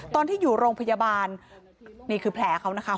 ตอนที่อยู่โรงพยาบาลนี่คือแผลเขานะคะ